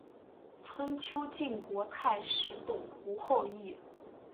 春秋晋国太史董狐后裔。